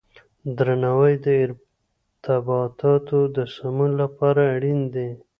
درناوی د ارتباطاتو د سمون لپاره اړین دی.